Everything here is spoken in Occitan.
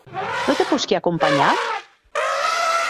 Non te posqui acompanhar?